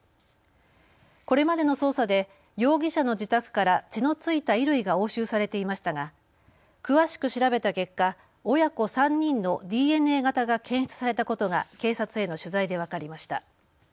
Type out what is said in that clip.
これまでの捜査で容疑者の自宅から血の付いた衣類が押収されていましたが詳しく調べた結果親子３人のＤＮＡ型が検出されたことが警察への取材で分かりました。